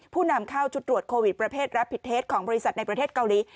นำเข้าชุดตรวจโควิดประเภทรับผิดเทสของบริษัทในประเทศเกาหลี